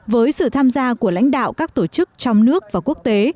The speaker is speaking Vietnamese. với sự tham gia của lãnh đạo các tổ chức trong nước và quốc tế